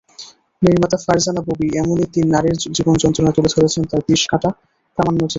নির্মাতা ফারজানা ববি এমনই তিন নারীর জীবনযন্ত্রণা তুলে ধরেছেন তাঁর বিষকাঁটা প্রামাণ্যচিত্রে।